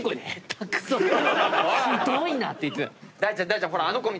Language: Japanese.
「ひどいな」って言ってた。